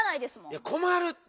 いやこまるって！